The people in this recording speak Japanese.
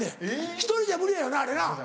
１人じゃ無理やよなあれな。